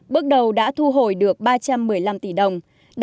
bước đầu đã thu hồi được ba trăm một mươi đồng